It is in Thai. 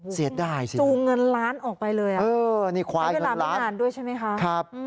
เสียดายสินะจูงเงินล้านออกไปเลยอ่ะใช้เวลาไม่นานด้วยใช่ไหมคะควายเงินล้านครับ